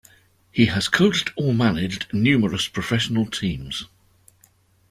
He has coached or managed numerous professional teams.